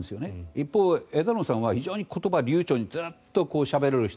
一方、枝野さんは非常に言葉が流ちょうにずっとしゃべれる人。